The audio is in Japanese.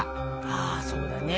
あそうだね。